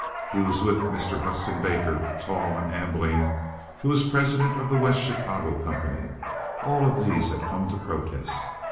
He was with Mr. Hudson Baker, tall and ambling, who was president of the West Chicago company. All of these had come to protest.